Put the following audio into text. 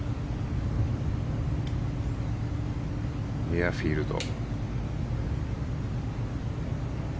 ミュアフィールド。